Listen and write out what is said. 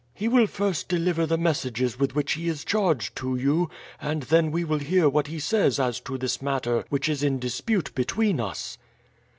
He will first deliver the messages with which he is charged to you, and then we will hear what he says as to this matter which is in dispute between us."